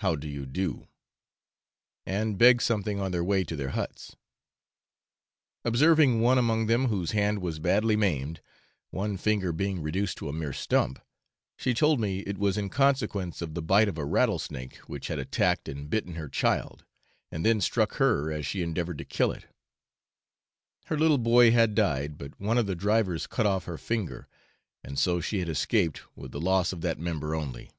(How do you do?), and beg something on their way to their huts. Observing one among them whose hand was badly maimed, one finger being reduced to a mere stump, she told me it was in consequence of the bite of a rattlesnake, which had attacked and bitten her child, and then struck her as she endeavoured to kill it; her little boy had died, but one of the drivers cut off her finger, and so she had escaped with the loss of that member only.